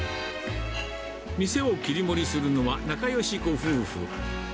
店を切り盛りするのは、仲よしご夫婦。